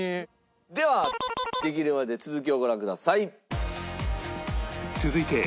ではできるまで続きをご覧ください。